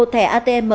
một thẻ atm